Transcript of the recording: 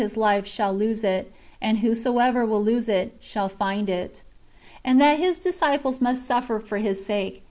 341 Ills life, shall lose it ; and whosoever will lose, shall find it." And that His disciples must suffer for His sake.